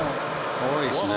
かわいいですね。